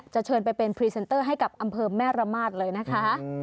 เชิญไปเป็นพรีเซนเตอร์ให้กับอำเภอแม่ระมาทเลยนะคะ